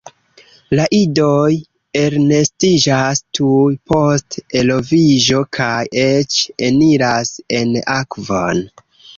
La idoj elnestiĝas tuj post eloviĝo kaj eĉ eniras en akvon.